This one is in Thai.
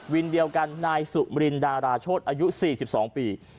วินเดียวกันนายสุรินร์ดาราชดอายุ๔๒ปี